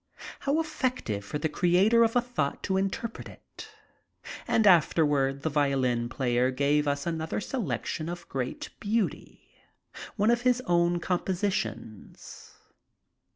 How effective for the creator of a thought to interpret it. And afterward the violin player gave us another selection of great beauty, one of his own compositions.